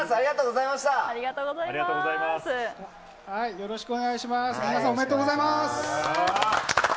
よろしくお願いします。